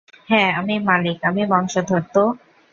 হ্যাঁ, আমি মালিক, আমি বংশধর, তো?